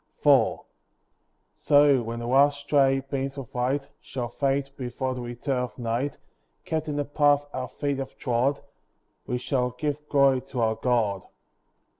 IV So, when the last stray beams of light Shall fade before the return of night, Kept in the path our feet have trod, We shall give glory to our God.